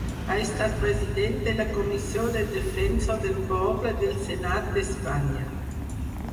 Ha estat president de la Comissió del Defensor del Poble del Senat d'Espanya.